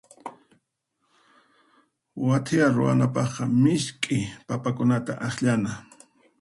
Wathiya ruwanapaqqa misk'i papakunata akllana.